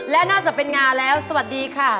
และนอกจากเป็นงาแล้วสวัสดีค่ะ